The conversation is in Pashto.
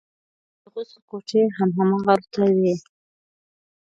د غسل کوټې هم هماغلته وې.